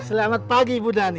selamat pagi ibu dhani